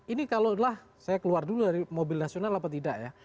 ini kalau lah saya keluar dulu dari mobil nasional apa tidak ya